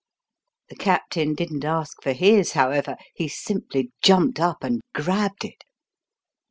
The Captain didn't ask for his, however he simply jumped up and grabbed it.